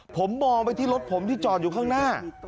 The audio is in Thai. ผมมองไปที่รถผมที่จอดอยู่ข้างหน้า